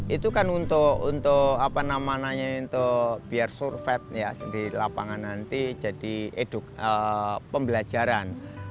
itu kan untuk apa namanya untuk biar survet ya di lapangan nanti jadi pembelajaran